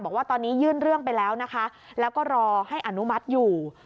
บอกว่าตอนนี้ยื่นเรื่องไปแล้วนะคะแล้วก็รอให้อนุมัติอยู่